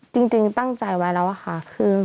จริงตั้งใจไว้แล้วค่ะคือ